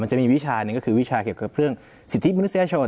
จะมีวิชาหนึ่งก็คือวิชาเกี่ยวกับเรื่องสิทธิมนุษยชน